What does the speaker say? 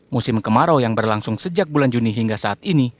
musim kemarau yang berlangsung sejak bulan juni hingga saat ini